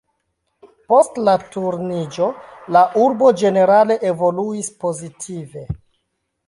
Post la Turniĝo la urbo ĝenerale evoluis pozitive.